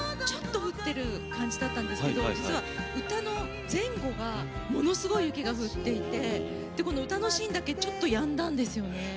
ちょっと降ってる感じだったんですけど実は歌の前後がものすごい雪が降ってて歌のシーンだけちょっと、やんだんですよね。